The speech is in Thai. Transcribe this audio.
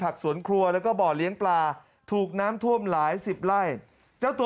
สวนครัวแล้วก็บ่อเลี้ยงปลาถูกน้ำท่วมหลายสิบไร่เจ้าตัว